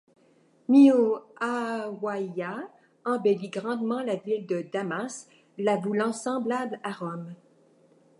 Muʿāwiya embellit grandement la ville de Damas, la voulant semblable à Rome.